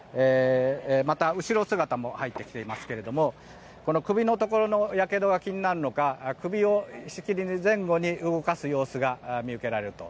また後ろ姿も入ってきていますがこの首のところのやけどが気になるのか首をしきりに前後に動かす様子が見受けられると。